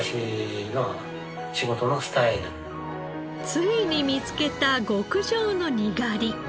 ついに見つけた極上のにがり。